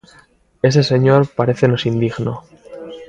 Ese señor parécenos indigno.